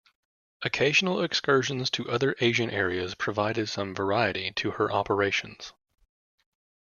Occasional excursions to other Asian areas provided some variety to her operations.